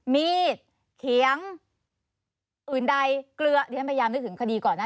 มีด